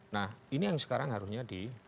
nah ini yang sekarang harusnya di